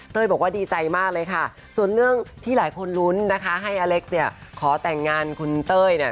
บอกว่าดีใจมากเลยค่ะส่วนเรื่องที่หลายคนลุ้นนะคะให้อเล็กซ์เนี่ยขอแต่งงานคุณเต้ยเนี่ย